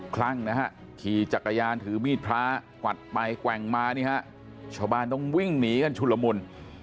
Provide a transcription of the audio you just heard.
คลั่งขี่จักรยานถือมีดพลากวัดไปแกว่งมานี่ครับชาวบ้านต้องวิ่งหนีชุดละมุน